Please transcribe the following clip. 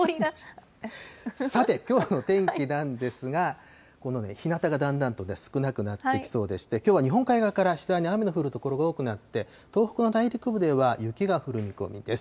さて、きょうの天気なんですが、この日なたがだんだんと少なくなってきそうでして、きょうは日本海側から次第に雨の降る所が多くなって、東北の内陸部では雪が降る見込みです。